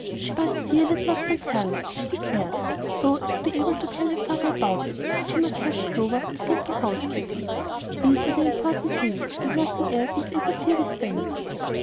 She must see a little of St. Helen's, she declared, so as to be able to tell her father about it, and she must help Clover to get to housekeeping, these were the important things, and nothing else must interfere with them.